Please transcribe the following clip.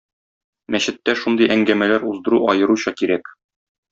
Мәчеттә шундый әңгәмәләр уздыру аеруча кирәк.